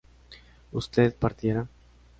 ¿usted partiera?